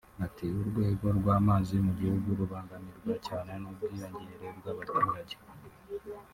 Ati “Urwego rw’amazi mu gihugu rubangamirwa cyane n’ubwiyongere bw’abaturage